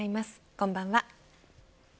こんばんは。